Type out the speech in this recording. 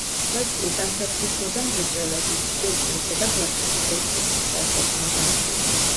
დღეს კი ტანსაცმლის მოდა მრეწველობის, კულტურისა და გართობის ერთ-ერთი თვალსაჩინო დარგია.